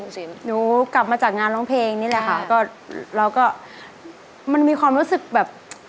นี่แหละค่ะก็เราก็มันมีความรู้สึกแบบ